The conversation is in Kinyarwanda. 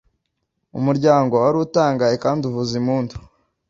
Umuryango wari utangaye, kandi uvuza impundu.